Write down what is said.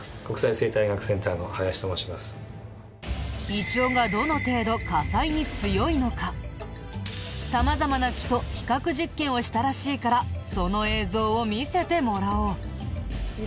イチョウがどの程度火災に強いのか様々な木と比較実験をしたらしいからその映像を見せてもらおう。